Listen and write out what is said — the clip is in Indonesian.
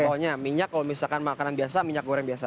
contohnya minyak kalau misalkan makanan biasa minyak goreng biasa